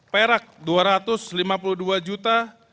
perak dua ratus lima puluh dua juta